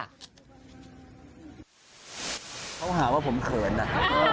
เขาหาว่าผมเขินอะ